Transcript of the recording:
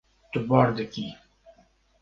Tu bar dikî.